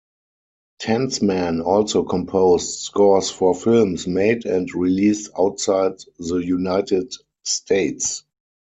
Tansman also composed scores for films made and released outside the United States.